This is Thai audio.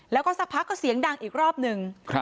แล้วก็สักพักก็เสียงดังอีกรอบหนึ่ง